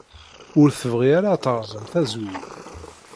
Ur tebɣi ara ad terẓem tazewwut.